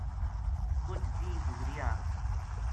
کُجھ دیہنہ گزریا